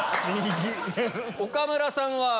岡村さんは？